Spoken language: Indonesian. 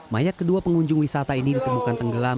mayat kedua pengunjung wisata ini ditemukan tenggelam